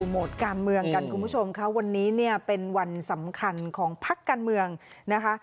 โหมดการเมืองกันคุณผู้ชมค่ะวันนี้เนี่ยเป็นวันสำคัญของพักการเมืองนะคะ